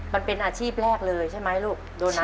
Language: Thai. มันเป็นอาชีพแรกเลยใช่ไหมลูกโดนั